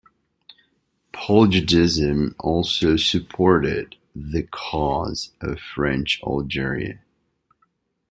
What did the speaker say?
Poujadism also supported the cause of French Algeria.